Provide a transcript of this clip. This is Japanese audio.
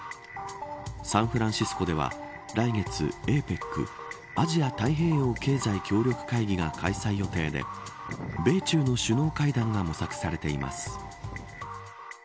サンフランシスコでは来月、ＡＰＥＣ＝アジア太平洋経済協力会議が開催予定で米中の首脳会談が模索されています。